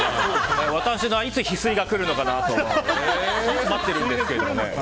私にいつヒスイが来るのかなと待っているんですけど。